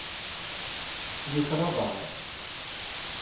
Yuker aḍaṛ.